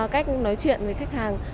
cách nói chuyện với khách hàng